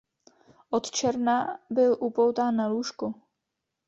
Od června byl upoután na lůžko.